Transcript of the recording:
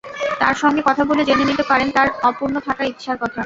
তাঁর সঙ্গে কথা বলে জেনে নিতে পারেন তাঁর অপূর্ণ থাকা ইচ্ছার কথা।